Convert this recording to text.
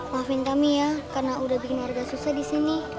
maafin kami ya karena udah bikin warga susah disini